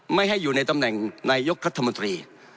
ไม่ให้อยู่ในตำแหน่งนายกรัฐมนตรี